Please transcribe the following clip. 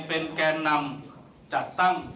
เป็นแกนนำจัดตั้ง